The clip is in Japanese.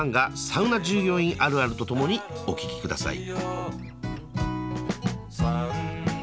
「サウナ従業員あるある」とともにお聴き下さい。